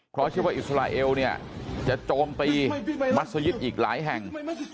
เพราะเชื่อว่าอิสราเอลเนี่ยจะโจมตีมัศยิตอีกหลายแห่ง